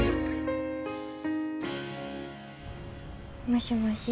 もしもし。